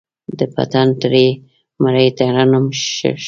د پتڼ ترۍ، مرۍ ترنم ښکلی